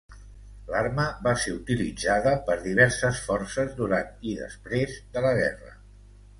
L'arma va ser utilitzada per diverses forces durant i després de la guerra.